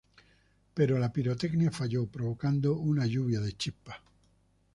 Pero la pirotecnia falló, provocando una lluvia de chispas.